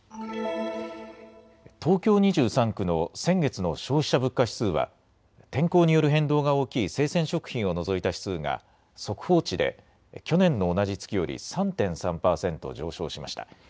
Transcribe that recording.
東京２３区の先月の消費者物価指数は天候による変動が大きい生鮮食品を除いた指数が速報値で去年の同じ月より３．３％上昇しました。